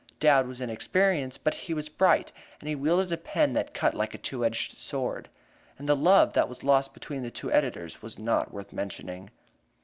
Dowd was inexperienced, but he was bright, and he wielded a pen that cut like a two edged sword; and the love that was lost between the two editors was not worth mentioning.